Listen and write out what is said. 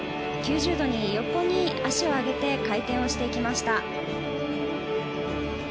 ９０度に横に足を上げて回転をしていきました。